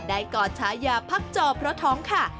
กอดชายาพักจอเพราะท้องค่ะ